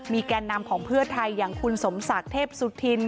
แก่นำของเพื่อไทยอย่างคุณสมศักดิ์เทพสุธิน